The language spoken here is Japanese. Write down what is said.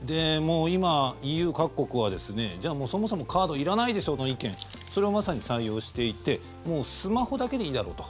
今、ＥＵ各国はじゃあもう、そもそもカードいらないでしょの意見それをまさに採用していてスマホだけでいいだろうと。